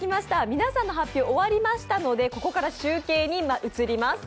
皆さんの発表終わりましたのでここから集計に移ります。